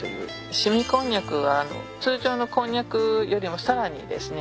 凍みこんにゃくは通常のこんにゃくよりもさらにですね